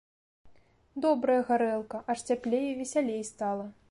Добрая гарэлка, аж цяплей і весялей стала.